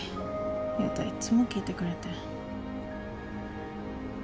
悠太いっつも聞いてくれて。